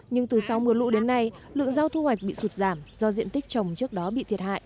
nhưng từ sau mưa lũ đến nay lượng rau thu hoạch bị sụt giảm do diện tích trồng trước đó bị thiệt hại